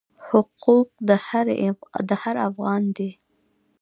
حقوق د هر افغان دی.